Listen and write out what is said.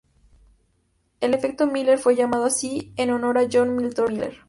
El efecto Miller fue llamado así en honor a John Milton Miller.